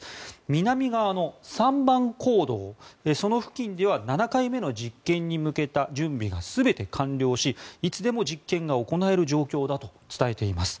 南側の３番坑道、その付近では７回目の実験に向けた準備が全て完了しいつでも実験が行える状況だと伝えています。